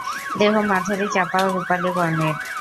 দেহ মাঝারি চাপা ও রুপালি বর্ণের।